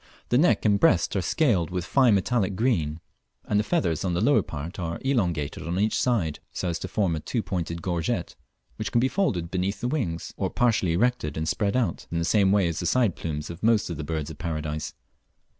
The neck and breast are scaled with fine metallic green, and the feathers on the lower part are elongated on each side, so as to form a two pointed gorget, which can be folded beneath the wings, or partially erected and spread out in the same way as the side plumes of most of the birds of paradise.